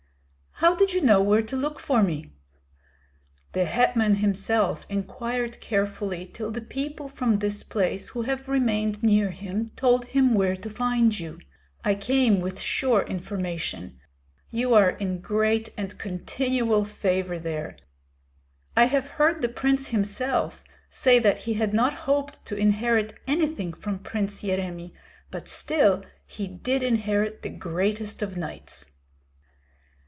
"How did you know where to look for me?" "The hetman himself inquired carefully till the people from this place who have remained near him told where to find you. I came with sure information. You are in great and continual favor there. I have heard the prince himself say that he had not hoped to inherit anything from Prince Yeremi, but still he did inherit the greatest of knights."